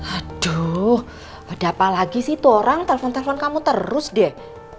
aduh ada apa lagi sih tuh orang telpon telpon kamu terus deh